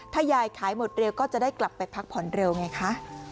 ถ้ายายขายหมดเร็วก็จะได้กลับไปพักผ่อนเร็วไงคะ